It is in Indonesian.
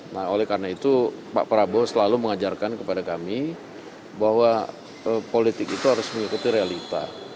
nah oleh karena itu pak prabowo selalu mengajarkan kepada kami bahwa politik itu harus mengikuti realita